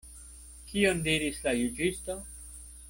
Kion diris la juĝisto?